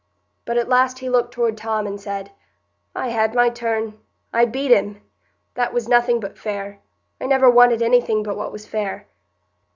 But at last he looked toward Tom and said,— "I had my turn—I beat him. That was nothing but fair. I never wanted anything but what was fair."